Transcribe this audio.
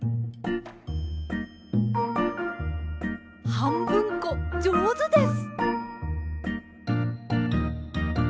はんぶんこじょうずです。